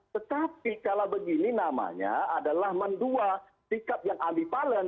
tetapi kalau begini namanya adalah mendua sikap yang ambipalen